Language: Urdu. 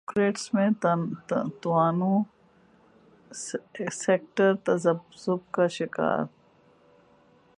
بیوروکریٹس میں تنا اٹو سیکٹر تذبذب کا شکار